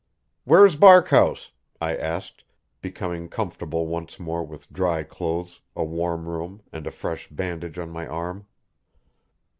"Where's Barkhouse?" I asked, becoming comfortable once more with dry clothes, a warm room and a fresh bandage on my arm.